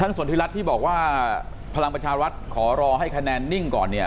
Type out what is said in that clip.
สนทิรัฐที่บอกว่าพลังประชารัฐขอรอให้คะแนนนิ่งก่อนเนี่ย